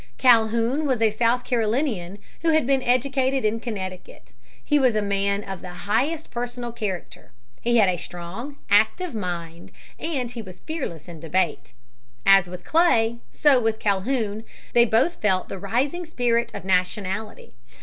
Calhoun was a South Carolinian who had been educated in Connecticut. He was a man of the highest personal character. He had a strong, active mind, and he was fearless in debate. As with Clay so with Calhoun, they both felt the rising spirit of nationality.